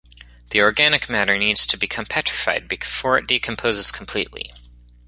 The organic matter needs to become petrified before it decomposes completely.